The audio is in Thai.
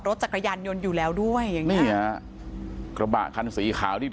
รถจักรยานยนต์อยู่แล้วด้วยมีฮะขาว